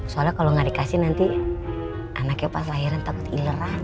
soalnya kalau gak dikasih nanti anaknya pas lahiran takut ileran